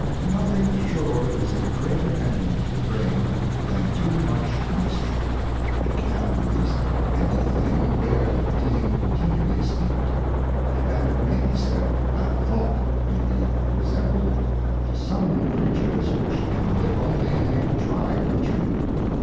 Nothing sure is a greater Enemy to the Brain, than too much moisture ; it can the least of any thing bear the being con tinually steeped : And it may be said, that Thought may be resembled to some Creatures which can live only in a dry Country.